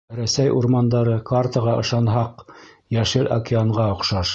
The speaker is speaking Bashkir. Рәсәй урмандары, картаға ышанһаҡ, йәшел океанға оҡшаш.